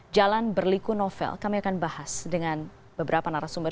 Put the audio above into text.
jalan berliku novel kami akan bahas dengan beberapa narasumber